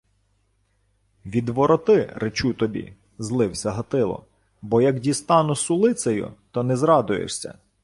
— Відвороти, речу тобі! — злився Гатило. — Бо як дістану сулицею, то не зрадуєшся.